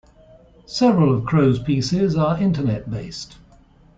Several of Crowe's pieces are internet-based.